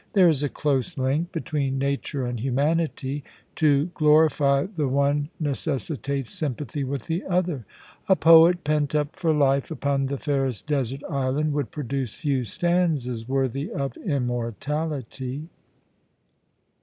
There is a close link between nature and humanity. To glorify the one neces sitates sympathy with the other. A poet pent up for life upon the fairest desert island would produce few stanzas worthy of immortality.'